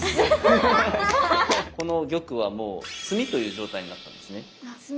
この玉はもう「詰み」という状態になったんですね。